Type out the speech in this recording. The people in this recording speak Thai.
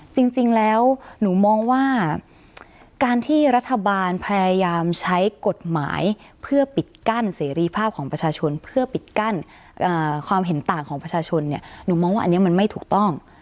จริงแล้วหนูมองว่าการที่รัฐบาลพยายามใช้กฎหมายเพื่อปิดกั้นเสรีภาพของประชาชนเพื่อปิดกั้นความเห็นต่างของประชาชนเนี่ยหนูมองว่าอันนี้มันไม่ถูกต้อง